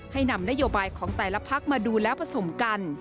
ให้นำนโยบายของแต่ละพักมาดูแล้วผสมกัน